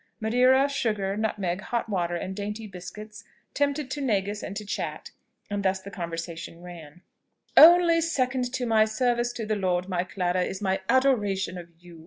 Madeira, sugar, nutmeg, hot water, and dainty biscuits, tempted to negus and to chat; and thus the conversation ran: "Only second to my service to the Lord, my Clara, is my adoration of you!"